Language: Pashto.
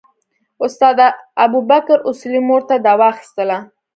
استاد ابوبکر اصولي مور ته دوا اخیستله.